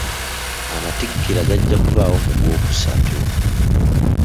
Amatikkira gajja kubaawo mu gwokusatu.